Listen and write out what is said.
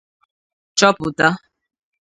chọpụta